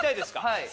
はい。